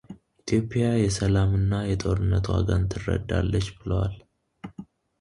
ኢትዮጵያ የሰላም እና የጦርነት ዋጋን ትረዳለች ብለዋል